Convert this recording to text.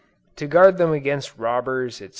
To guard them against robbers, &c.